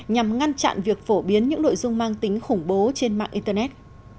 nhằm ngăn chặn việc phổ biến những nội dung mang tính khủng bố trên mạng internet